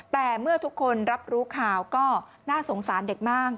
แต่เมื่อทุกคนรับรู้ข่าวก็น่าสงสารเด็กมาก